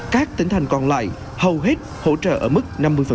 các tỉnh thành còn lại hầu hết hỗ trợ ở mặt